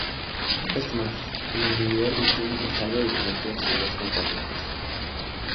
Es más, el individuo liquen es algo diferente de sus dos componentes.